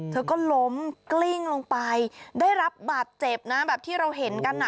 เธอก็ล้มกลิ้งลงไปได้รับบาดเจ็บนะแบบที่เราเห็นกันอ่ะ